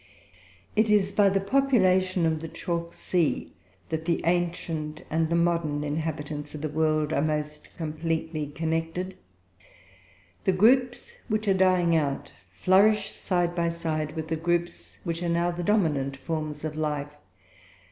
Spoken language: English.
It is by the population of the chalk sea that the ancient and the modern inhabitants of the world are most completely connected. The groups which are dying out flourish, side by side, with the groups which are now the dominant forms of life.